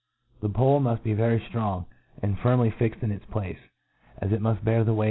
The pole muft ' be very ftrong, and firmly fixed in its place, as it muft bear the weight .